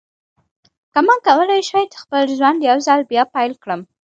که ما کولای شوای چې خپل ژوند یو ځل بیا پیل کړم.